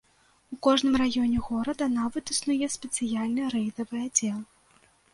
У кожным раёне горада нават існуе спецыяльны рэйдавы аддзел.